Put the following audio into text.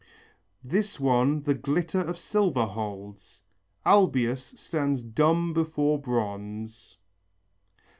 (This one the glitter of silver holds, Albius stands dumb before bronze.)